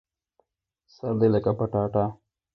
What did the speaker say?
سر دي لکه پټاټه